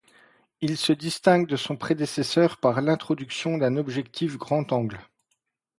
Il se distingue de son prédécesseur par l'introduction d'un objectif grand angle.